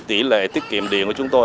tỷ lệ tiết kiệm điện của chúng tôi